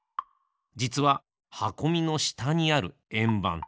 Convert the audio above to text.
じつははこみのしたにあるえんばん。